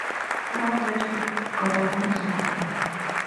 هېواد له ډېرو کړاوونو سره مخ دی